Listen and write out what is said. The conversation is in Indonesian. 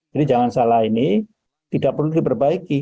jadi jangan salah ini tidak perlu diperbaiki